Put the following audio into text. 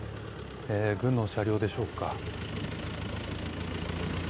軍の車両でしょうか。